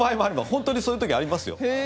本当にそういう時ありますよ。